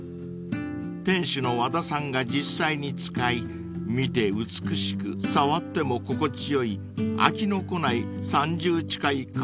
［店主の和田さんが実際に使い見て美しく触っても心地よい飽きのこない３０近い窯元の器を厳選。